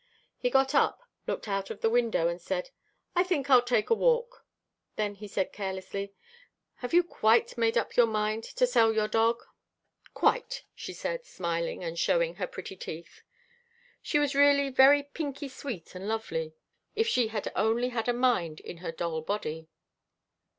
He got up, looked out the window, said, "I think I'll take a walk." Then he said carelessly, "Have you quite made up your mind to sell your dog?" "Quite," she said, smiling and showing her pretty teeth. She was really very pinky sweet and lovely. If she had only had a mind in her doll body.